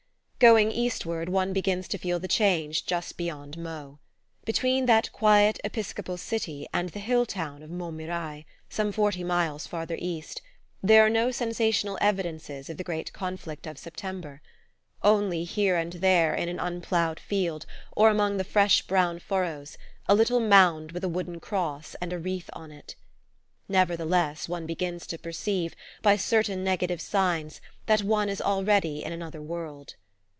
Going eastward, one begins to feel the change just beyond Meaux. Between that quiet episcopal city and the hill town of Montmirail, some forty miles farther east, there are no sensational evidences of the great conflict of September only, here and there, in an unploughed field, or among the fresh brown furrows, a little mound with a wooden cross and a wreath on it. Nevertheless, one begins to perceive, by certain negative signs, that one is already in another world.